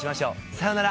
さよなら。